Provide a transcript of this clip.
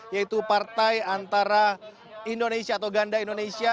yaitu partai antara indonesia atau ganda indonesia